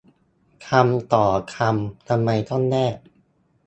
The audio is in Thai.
คำต่อคำ ทำไมต้องแยก